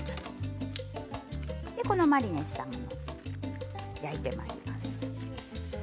マリネしたものを焼いてまいります。